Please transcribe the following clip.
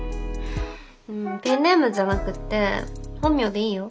ペンネームじゃなくって本名でいいよ。